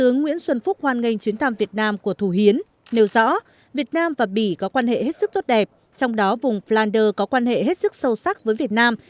nói rõ việt nam và bỉ có quan hệ hết sức tốt đẹp trong đó vùng flander có quan hệ hết sức sâu sắc với việt nam